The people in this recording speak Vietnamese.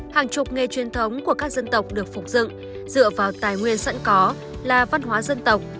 hàng chục nghề truyền thống của các dân tộc được phục dựng dựa vào tài nguyên sẵn có là văn hóa dân tộc